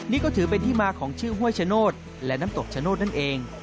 นี่ก็ถือเป็นที่มาของชื่อห้วยชโนธและน้ำตกชะโนธนั่นเอง